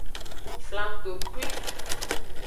Flangtokpui.